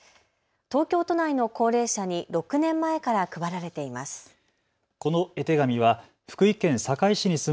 東京都内の高齢者に６年前から配られています。